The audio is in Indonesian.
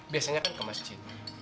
biasanya kan ke masjid